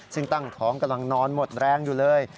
ซึ่งตั้งท้องกำลังนอนหมดแรงอยู่เลย